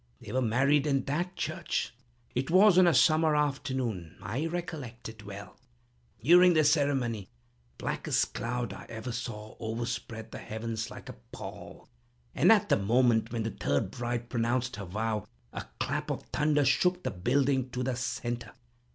They were married in that church. It was on a summer afternoon—I recollect it well. During the ceremony, the blackest cloud I ever saw overspread the heavens like a pall, and, at the moment when the third bride pronounced her vow, a clap of thunder shook the building to the centre.